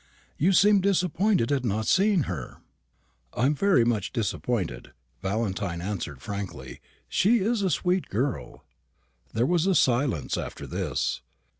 You seem disappointed at not seeing her." "I am very much disappointed," Valentine answered frankly; "she is a sweet girl." There was a silence after this.